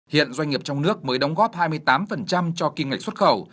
hiện doanh nghiệp trong nước mới đóng góp hai mươi tám cho kim ngạch xuất khẩu